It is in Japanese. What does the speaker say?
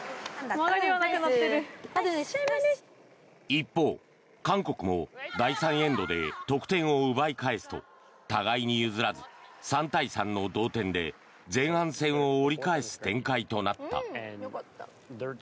一方、韓国も第３エンドで得点を奪い返すと互いに譲らず、３対３の同点で前半戦を折り返す展開となった。